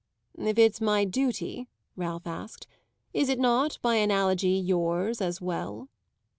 "If it's my duty," Ralph asked, "is it not, by analogy, yours as well?"